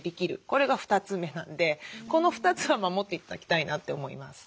これが２つ目なんでこの２つは守って頂きたいなって思います。